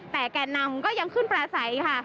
แต่แก่นำก็ยังขึ้นปลาใสค่ะ